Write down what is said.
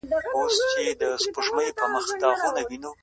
څومره بدبخته یم داچاته مي غزل ولیکل -